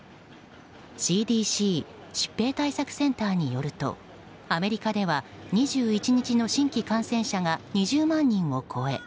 ＣＤＣ・疾病対策センターによるとアメリカでは、２１日の新規感染者が２０万人を超え